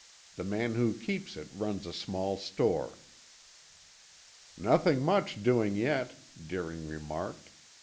The man who keeps it runs a small store." "Nothing much doing yet," Deering remarked.